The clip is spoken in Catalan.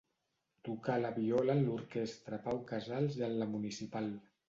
Tocà la viola en l'Orquestra Pau Casals i en la Municipal.